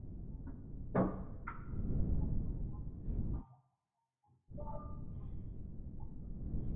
Kwenye mkutano wa raia muungano dhidi ya mabadiliko zilisababisha vifo vya watu wawili na darzeni kujeruhiwa